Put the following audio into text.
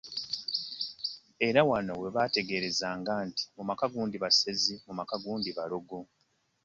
Era wano we babategeerezanga nti mu maka gundi basezi, mu maka gundi balogo.